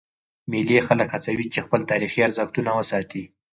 مېلې خلک هڅوي، چي خپل تاریخي ارزښتونه وساتي.